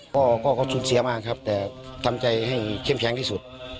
ก็เขาสูญเสียมากครับแต่ทำใจให้เข้มแข็งที่สุด